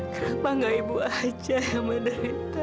kenapa gak ibu aja yang menderita